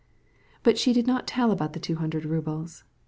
But she did not tell Kitty about the two hundred roubles.